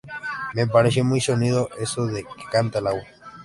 Me pareció muy sonido eso de que “canta el agua".